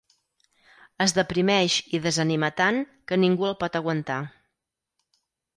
Es deprimeix i desanima tant que ningú el pot aguantar.